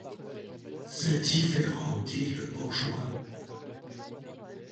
C’est différent, dit le bourgeois.